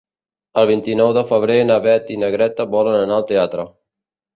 El vint-i-nou de febrer na Beth i na Greta volen anar al teatre.